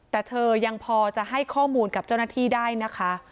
แต่เธอยังพอจะให้ข้อมูลกับเจ้าหน้าที่ได้นะคะ